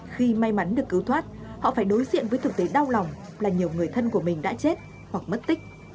khi may mắn được cứu thoát họ phải đối diện với thực tế đau lòng là nhiều người thân của mình đã chết hoặc mất tích